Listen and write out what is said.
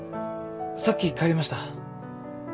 さっき帰りました。